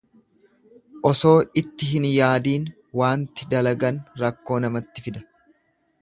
Osoo itti hin yaadiin waanti dalagan rakkoo namatti fida.